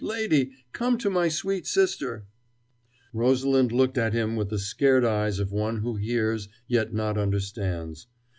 lady! Come to my sweet sister " Rosalind looked at him with the scared eyes of one who hears, yet not understands.